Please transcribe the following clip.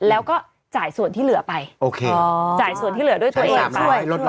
แล้วก็จ่ายส่วนที่เหลือไปโอเคจ่ายส่วนที่เหลือด้วยตัวเองไปด้วย